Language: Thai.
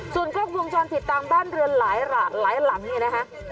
ส่วนกล้องวงจรปิดตามบ้านเรือนหลายหลังเนี่ยนะคะ